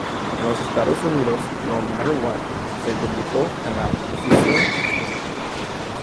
En los Estados Unidos "No matter what" se debutó en la posición No.